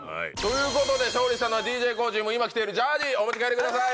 勝利したのはＤＪＫＯＯチーム、今着てるジャージー、お持ち帰りください。